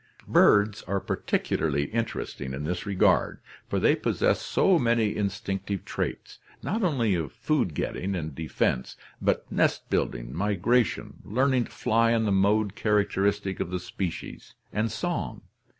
Birds are particularly interesting in this regard, for they possess so many instinctive traits, not only of food getting and defense, but nest building, migration, learning to fly in the mode character istic of the species, and song.